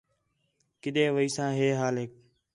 کݙے ویساں ہے حالیک